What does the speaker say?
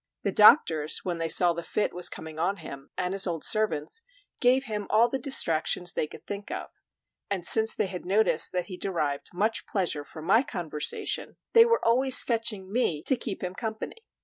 The doctors, when they saw the fit was coming on him, and his old servants, gave him all the distractions they could think of; and since they had noticed that he derived much pleasure from my conversation, they were always fetching me to keep him company.